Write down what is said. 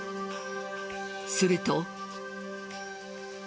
すると。